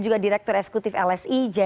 juga bocoran katanya